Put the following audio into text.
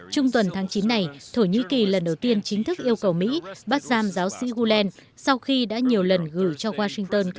trung tuần tháng chín này thổ nhĩ kỳ lần đầu tiên chính thức yêu cầu mỹ bắt giam giáo sĩ gulen sau khi đã nhiều lần gửi cho washington